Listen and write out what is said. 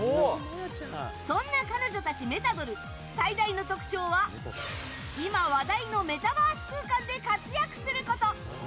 そんな彼女たちメタドル最大の特徴は今話題のメタバース空間で活躍すること。